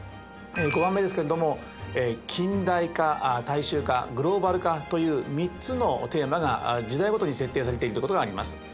５番目ですけれども近代化大衆化グローバル化という３つのテーマが時代ごとに設定されているということがあります。